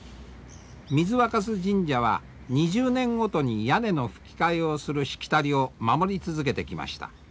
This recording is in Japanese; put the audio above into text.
水若酢神社は２０年ごとに屋根のふき替えをするしきたりを守り続けてきました。